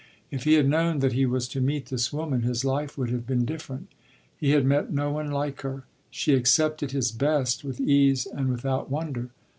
If he had known that he was to meet this woman, his life would have been different. He had met no one like her. She accepted his best with ease and without wonder.